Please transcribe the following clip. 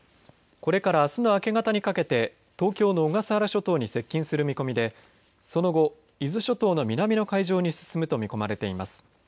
これからあすの明け方にかけて東京の小笠原諸島に接近する見込みでその後、伊豆諸島の南の海上に進むと見込まれています。